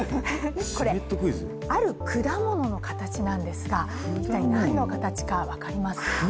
これ、ある果物の形なんですが一体なんの果物か分かりますか？